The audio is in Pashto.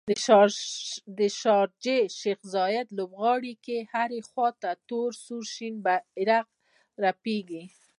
د شارجې شیخ ذاید لوبغالي کې هرې خواته تور، سور او شین بیرغ رپیږي